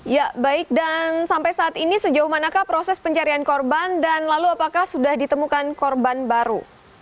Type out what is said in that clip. ya baik dan sampai saat ini sejauh manakah proses pencarian korban dan lalu apakah sudah ditemukan korban baru